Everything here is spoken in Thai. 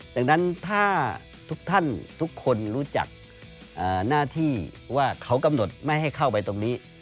ดังนั้นถ้าทุกท่านทุกคนรู้จักหน้าที่ว่าเขากำหนดไม่ให้เข้าไปตรงนี้